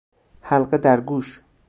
حلقه در گوش